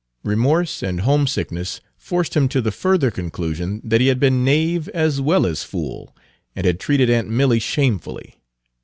Remorse and homesickness forced him to the further conclusion that he had been knave as well as fool, and had treated aunt Milly shamefully.